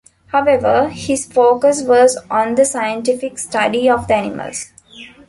However, his focus was on the scientific study of the animals.